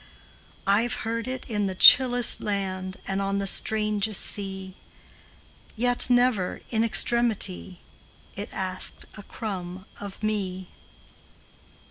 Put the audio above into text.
I 've heard it in the chillest land, And on the strangest sea; Yet, never, in extremity, It asked a crumb of me.